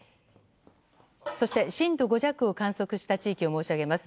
そして震度５弱を観測した地域を申し上げます。